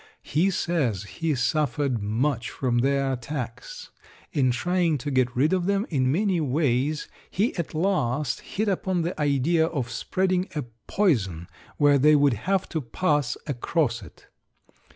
He says he suffered much from their attacks. In trying to get rid of them in many ways he at last hit upon the idea of spreading a poison where they would have to pass across it.